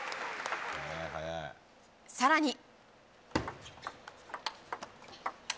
更に。